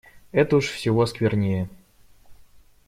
Это уж всего сквернее!